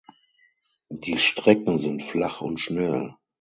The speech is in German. Die Strecken sind flach und schnell.